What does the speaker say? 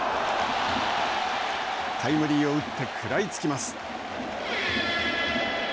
タイムリーを打って食らいつきます。